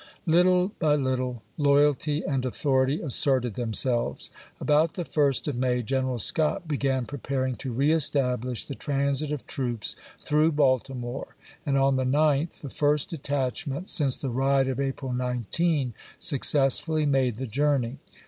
Little by little loyalty and authority asserted themselves. About the 1st of May General Scott began preparing to reestablish the transit of troops through Baltimore, and on the 9th the first detach ment since the riot of April 19 successfully made the journey.